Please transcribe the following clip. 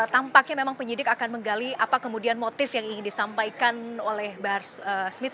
tampaknya memang penyidik akan menggali apa kemudian motif yang ingin disampaikan oleh bahar smith